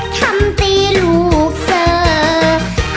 ทำตีลูกเสิร์ฟ